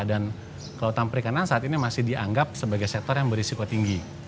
dan kelautan perikanan saat ini masih dianggap sebagai sektor yang berisiko tinggi